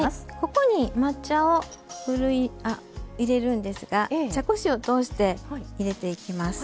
ここに抹茶をふるいあ入れるんですが茶こしを通して入れていきます。